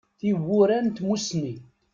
Tiwwura n tmussni.